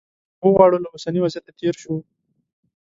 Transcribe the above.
که وغواړو له اوسني وضعیته تېر شو.